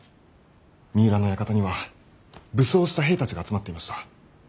三浦の館には武装した兵たちが集まっていました。